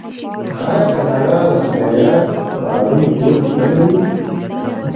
آیا کاناډا د خیریه کارونو دود نلري؟